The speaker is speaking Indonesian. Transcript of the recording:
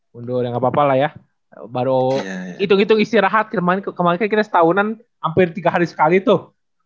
mundur ya nggak apa apa lah ya baru hitung hitung istirahat kemarin kita setahunan hampir tiga hari sekali tuh